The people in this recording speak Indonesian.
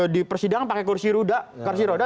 dipersidang pakai kursi roda